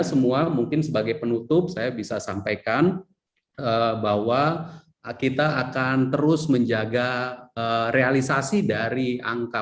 semua mungkin sebagai penutup saya bisa sampaikan bahwa kita akan terus menjaga realisasi dari angka